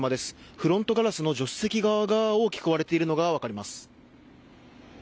フロントガラスの助手席側が大きく割れているのが分かります。